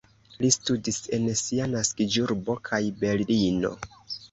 Li studis en sia naskiĝurbo kaj Berlino.